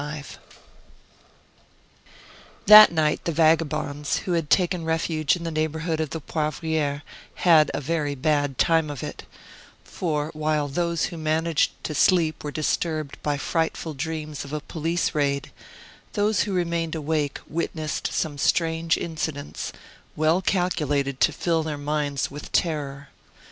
IV That night the vagabonds, who had taken refuge in the neighborhood of the Poivriere, had a very bad time of it; for while those who managed to sleep were disturbed by frightful dreams of a police raid, those who remained awake witnessed some strange incidents, well calculated to fill their minds with terror.